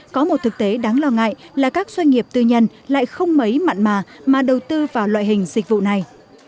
có một thực tế đáng lo ngại là các doanh nghiệp tư nhân lại không mấy mặn mà mà đầu tư vào loại hình dịch vụ này